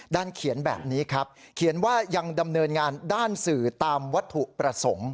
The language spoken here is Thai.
เขียนแบบนี้ครับเขียนว่ายังดำเนินงานด้านสื่อตามวัตถุประสงค์